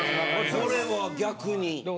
これは逆に。